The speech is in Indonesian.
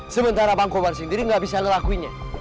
sementara bangkobar sendiri gak bisa ngelakuinnya